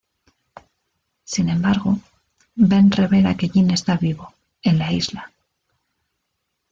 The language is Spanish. Sin embargo, Ben revela que Jin está vivo, en la isla.